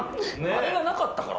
あれがなかったから？